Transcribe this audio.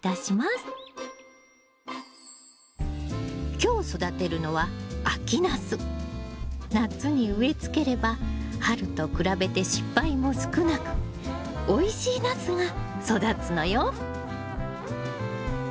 今日育てるのは夏に植えつければ春と比べて失敗も少なくおいしいナスが育つのよ。